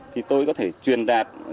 thì tôi có thể truyền đạt